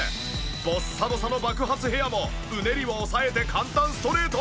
ボッサボサの爆発ヘアもうねりを抑えて簡単ストレート。